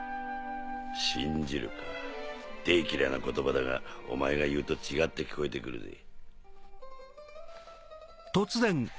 「信じる」か大嫌いな言葉だがお前が言うと違って聞こえて来るぜ。